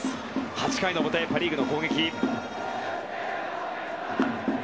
８回の表、パ・リーグの攻撃。